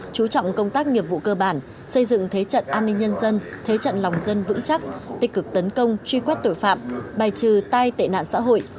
chú trọng công tác nghiệp vụ cơ bản xây dựng thế trận an ninh nhân dân thế trận lòng dân vững chắc tích cực tấn công truy quét tội phạm bài trừ tai tệ nạn xã hội